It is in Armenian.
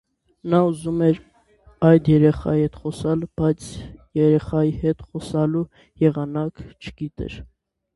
Նա ուզում էր այդ երեխայի հետ խոսել, բայց երեխայի հետ խոսելու եղանակն էլ չգիտեր: